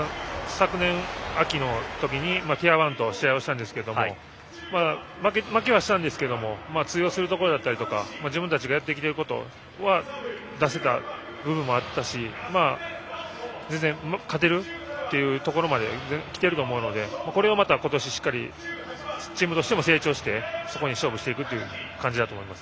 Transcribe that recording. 昨年秋の時にティア１と試合したんですが負けはしたんですが通用するところだったり自分たちがやってきたことは出せた部分もあったし全然、勝てるというところまで来てると思うのでチームとしても成長してそこに勝負していく感じだと思います。